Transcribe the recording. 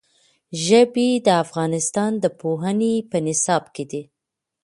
ژبې د افغانستان د پوهنې په نصاب کې دي.